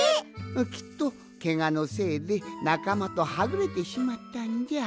きっとケガのせいでなかまとはぐれてしまったんじゃ。